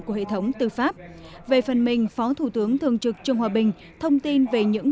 của hệ thống tư pháp về phần mình phó thủ tướng thường trực trương hòa bình thông tin về những